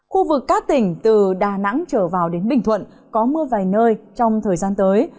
khu vực các tỉnh từ đà nẵng trở vào đến bình thuận có mưa vài nơi trong thời gian tới